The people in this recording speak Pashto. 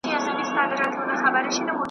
نښانې د جهالت سولې څرگندي .